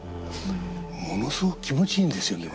ものすごく気持ちいいんですよね。